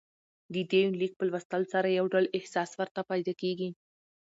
ددې یونلیک په لوستلو سره يو ډول احساس ورته پېدا کېږي